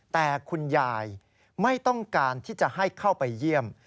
แต่คุณยายไม่ต้องการที่จะให้เข้าไปเยี่ยม